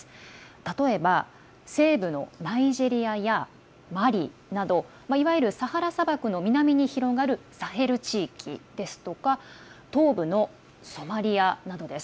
例えば、西部のナイジェリアやマリなどいわゆるサハラ砂漠の南に広がるサヘル地域ですとか東部のソマリアなどです。